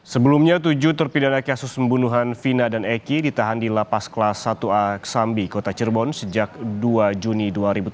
sebelumnya tujuh terpidana kasus pembunuhan vina dan eki ditahan di lapas kelas satu a kesambi kota cirebon sejak dua juni dua ribu tujuh belas